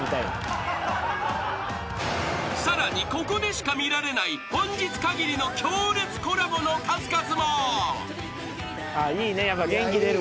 ［さらにここでしか見られない本日かぎりの強烈コラボの数々も］いいね。